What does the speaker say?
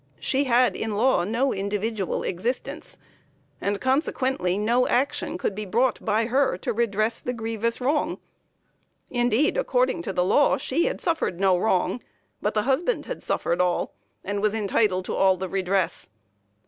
She had in law no individual existence, and consequently no action could be brought by her to redress the grievous wrong; indeed according to the law she had suffered no wrong, but the husband had suffered all, and was entitled to all the redress.